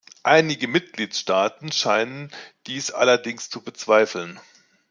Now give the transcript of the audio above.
Einige Mitgliedstaaten scheinen dies allerdings zu bezweifeln.